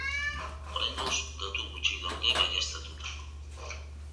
Oraingoz, datu gutxi daude baieztatuta.